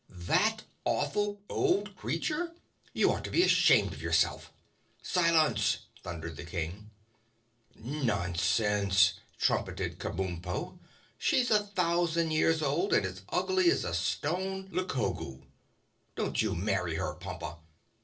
"That awful old creature! You ought to be ashamed of yourself!" "Silence!" thundered the King. "Nonsense!" trumpeted Kabumpo. "She's a thousand years old and as ugly as a stone Lukoogoo. Don't you marry her, Pompa."